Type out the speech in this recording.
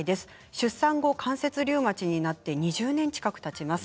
出産後関節リウマチになって２０年近くたちます。